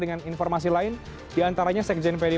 dengan informasi lain diantaranya sekjen pdi